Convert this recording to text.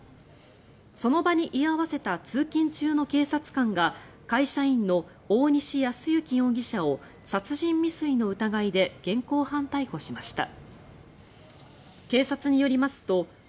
その場に居合わせた通勤中の警察官が会社員の大西康介容疑者を殺人未遂の疑いで現行犯逮捕しました。